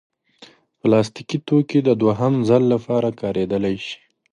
پلاستيکي توکي د دوهم ځل لپاره کارېدلی شي.